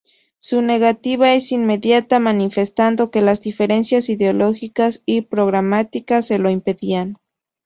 Su negativa es inmediata, manifestando que las diferencias ideológicas y programáticas se lo impedían.